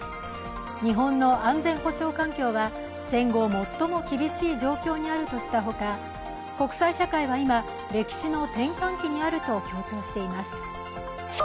日本の安全保障環境は戦後最も厳しい状況にあるとしたほか、国際社会は今、歴史の転換期にあると強調しています。